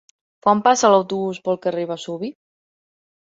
Quan passa l'autobús pel carrer Vesuvi?